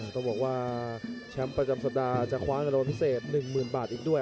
ต้องบอกว่าแชมป์ประจำสัปดาห์จะคว้าเงินรางวัลพิเศษ๑๐๐๐บาทอีกด้วย